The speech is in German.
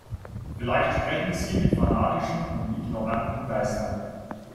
Vielleicht sprechen sie mit fanatischen und ignoranten Geistern.